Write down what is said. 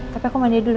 tapi aku mandi dulu